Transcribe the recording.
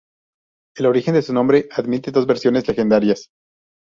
El origen de su nombre admite dos versiones legendarias.